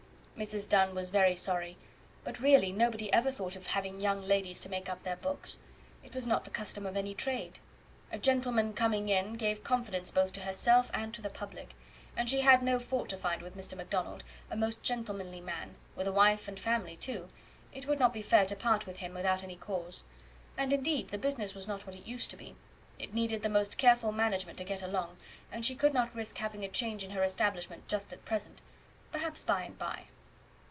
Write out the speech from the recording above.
Mrs. Dunn was very sorry, but really nobody ever thought of having young ladies to make up their books. It was not the custom of any trade. A gentleman coming in gave confidence both to herself and to the public; and she had no fault to find with Mr. McDonald a most gentlemanly man, with a wife and family, too it would not be fair to part with him without any cause. And, indeed, the business was not what it used to be it needed the most careful management to get along, and she could not risk having a change in her establishment just at present; perhaps by and by.